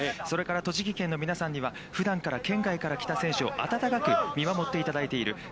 それから栃木県の皆さんには、ふだんから県外から来た選手を温かく見守っていただいている。